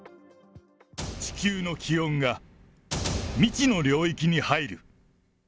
地球の気温が未知の領域に入る。